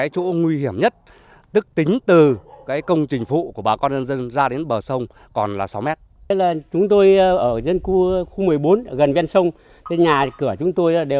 công trình phụ của bà con dân dân ra đến bờ sông còn là sáu mét